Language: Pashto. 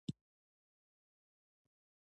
انګور د افغانستان د بشري فرهنګ برخه ده.